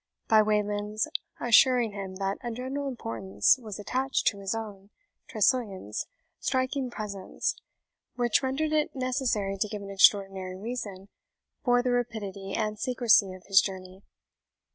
by Wayland's assuring him that a general importance was attached to his own (Tressilian's) striking presence, which rendered it necessary to give an extraordinary reason for the rapidity and secrecy of his journey.